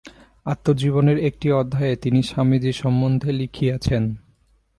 আত্মজীবনীর একটি অধ্যায়ে তিনি স্বামীজী সম্বন্ধে লিখিয়াছেন।